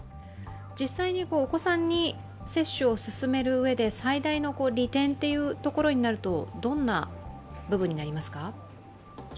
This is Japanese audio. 実際にお子さんに接種をすすめる上で最大の利点ということになると、どんな部分になりますか？